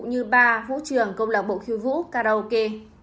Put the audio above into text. như ba vũ trường công lạc bộ khiêu vũ karaoke